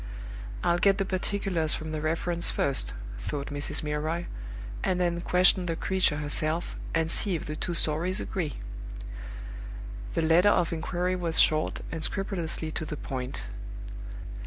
"I'll get the particulars from the reference first," thought Mrs. Milroy, "and then question the creature herself, and see if the two stories agree." The letter of inquiry was short, and scrupulously to the point.